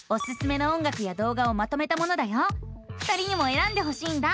２人にもえらんでほしいんだ。